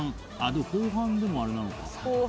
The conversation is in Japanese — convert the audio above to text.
後半でもあれなのか。